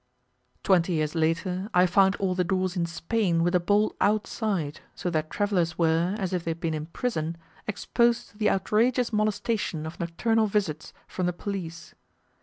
Twenty years later I found all the doors in Spain with a bolt outside, so that travellers were, as if they had been in prison, exposed to the outrageous molestation of nocturnal visits from the police.